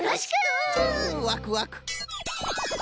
ワクワク！